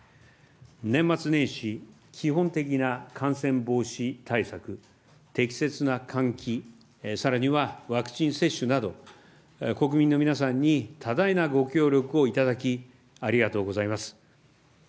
年末年始、基本的な感染防止対策、適切な換気、さらにはワクチン接種など、国民の皆さんに多大なご協力をいただき、ありがとうございます。